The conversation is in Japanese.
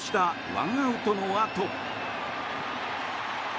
１アウトのあと。